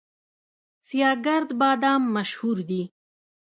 سیاه ګرد بادام مشهور دي؟